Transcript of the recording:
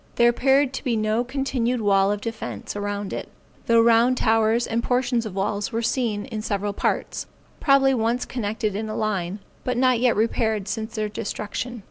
There appeared to be no continued wall of defence around it, though round towers and portions of walls were seen in several parts, probably once connected in line, but not yet repaired since their destruction.